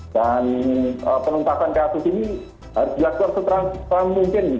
dan penumpakan kasus ini harus dilakukan seteran mungkin